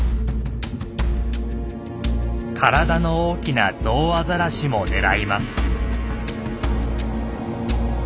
体の大きなゾウアザラシも狙います。